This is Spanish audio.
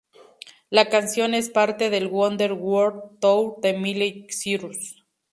La canción es parte del Wonder World Tour de Miley Cyrus.